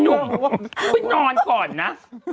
คุณไปนอนก่อนนะ